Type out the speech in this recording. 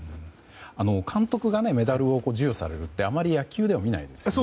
監督がメダルを授与されるってあまり野球では見ないですよね。